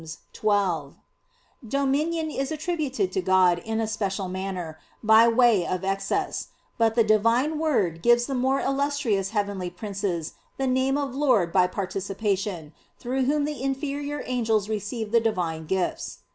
xii): "Dominion is attributed to God in a special manner, by way of excess: but the Divine word gives the more illustrious heavenly princes the name of Lord by participation, through whom the inferior angels receive the Divine gifts."